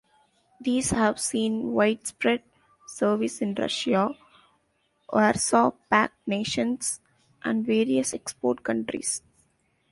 These have seen widespread service in Russia, Warsaw Pact nations, and various export countries.